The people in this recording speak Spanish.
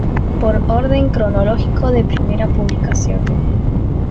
Por orden cronológico de primera publicación.